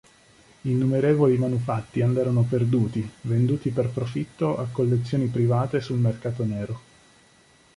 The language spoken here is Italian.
Innumerevoli manufatti andarono perduti, venduti per profitto a collezioni private sul mercato nero.